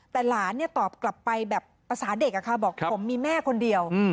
แต่หลานตอบกลับไปแบบภาษาเด็กบอกผมมีแม่คนเดียว